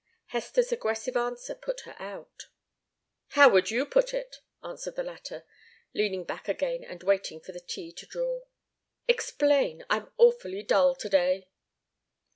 Hester's aggressive answer put her out. "How would you put it?" enquired the latter, leaning back again and waiting for the tea to draw. "Explain! I'm awfully dull to day."